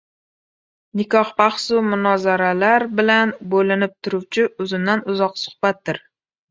Nikoh bahsu munozaralar bilan bo‘linib turuvchi uzundan-uzoq suhbatdir.